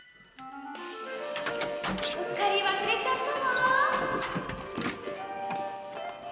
うっかりわすれちゃったわ。